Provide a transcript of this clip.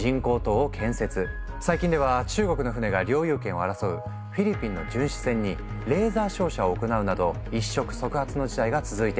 最近では中国の船が領有権を争うフィリピンの巡視船にレーザー照射を行うなど一触即発の事態が続いているんだ。